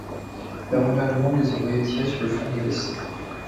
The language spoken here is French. L'Armée allemande les envoya tirer sur le front de l'Est.